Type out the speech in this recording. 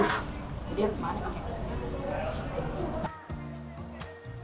jadi harus makan pakai ini